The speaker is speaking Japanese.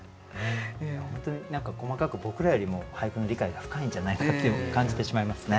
何か細かく僕らよりも俳句の理解が深いんじゃないかっていうふうに感じてしまいますね。